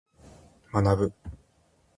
学ぶ。